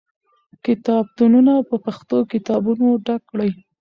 کتابتونونه په پښتو کتابونو ډک کړئ.